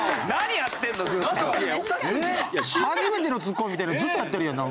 初めてのツッコミみたいなのずっとやってるやんなんか。